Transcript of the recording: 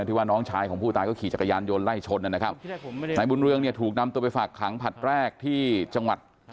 ที่ว่าน้องชายของผู้ตายก็ขี่จักรยานยนต์ไล่ชนนะครับนายบุญเรืองเนี่ยถูกนำตัวไปฝากขังผลัดแรกที่จังหวัด